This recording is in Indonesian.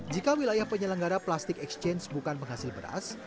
jika wilayah penyelenggara plastic exchange bukan penghasil beras